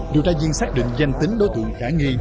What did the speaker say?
điều tra viên xác định danh tính đối tượng khả nghi